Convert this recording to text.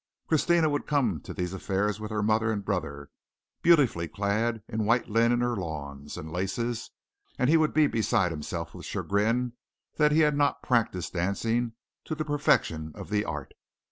Christina would come to these affairs with her mother and brother, beautifully clad in white linen or lawns and laces, and he would be beside himself with chagrin that he had not practised dancing to the perfection of the art.